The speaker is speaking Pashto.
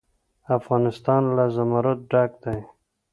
افغانستان له زمرد ډک دی.